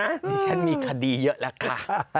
ดิฉันมีคดีเยอะแล้วค่ะ